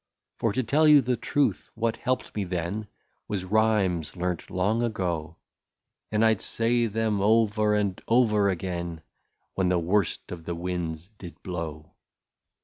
" For, to tell you the truth, what helped me then. Was rhymes learnt long ago ; And I 'd say them over and over again. When the worst of the winds did blow.